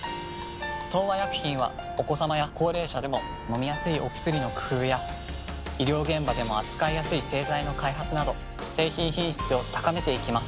東和薬品はお子さまや高齢者でも飲みやすいお薬の工夫や医療現場でも扱いやすい製剤の開発など製品品質を高めていきます。